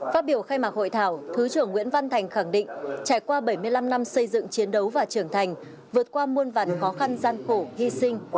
phát biểu khai mạc hội thảo thứ trưởng nguyễn văn thành khẳng định trải qua bảy mươi năm năm xây dựng chiến đấu và trưởng thành vượt qua muôn vàn khó khăn gian khổ hy sinh